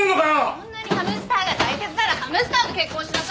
そんなにハムスターが大切ならハムスターと結婚しなさいよ。